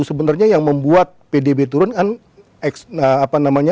sebenarnya yang membuat pdb turun kan